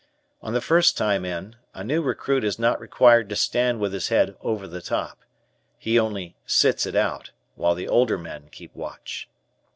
On the first time in, a new recruit is not required to stand with his head "over the top." He only "sits it out," while the older men keep watch.